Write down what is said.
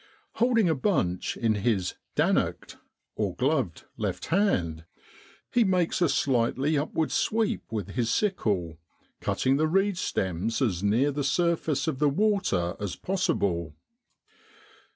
Holding a bunch in his ' dannocked ' (gloved) left hand, he makes a slightly upward sweep with his sickle, cutting the reed stems as near the surface of the water as possible.